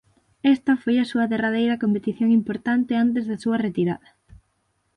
Esta foi a súa derradeira competición importante antes da súa retirada.